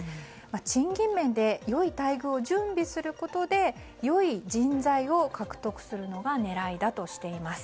賃金面で良い待遇を準備することで良い人材を獲得するのが狙いだとしています。